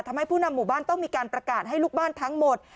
ผู้นำหมู่บ้านต้องมีการประกาศให้ลูกบ้านทั้งหมด